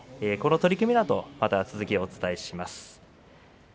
この取組のあとまた続きをお伝えします。